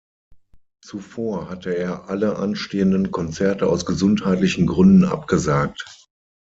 Zuvor hatte er alle anstehenden Konzerte aus gesundheitlichen Gründen abgesagt.